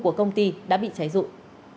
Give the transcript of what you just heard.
của công ty đã bị cháy rụi